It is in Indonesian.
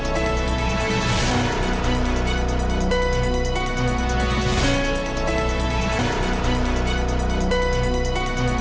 dan semogadid you enjoy watching video ini